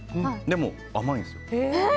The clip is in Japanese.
でも甘いんです。